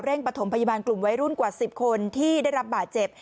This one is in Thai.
ประถมพยาบาลกลุ่มวัยรุ่นกว่า๑๐คนที่ได้รับบาดเจ็บ